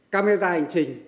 camera hành trình